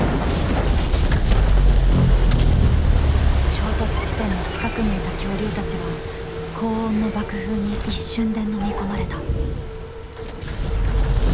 衝突地点の近くにいた恐竜たちは高温の爆風に一瞬でのみ込まれた。